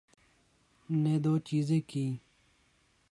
‘نے دوچیزیں کیں۔